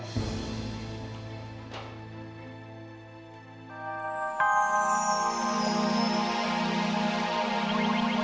saya ada di sini